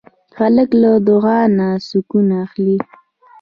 هلک له دعا نه سکون اخلي.